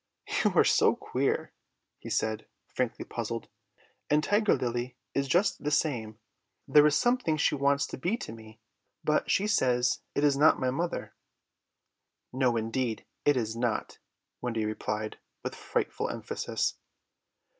"You are so queer," he said, frankly puzzled, "and Tiger Lily is just the same. There is something she wants to be to me, but she says it is not my mother." "No, indeed, it is not," Wendy replied with frightful emphasis.